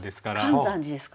舘山寺ですか？